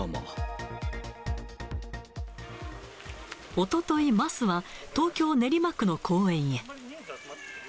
おととい、桝は東京・練馬区の公園へ。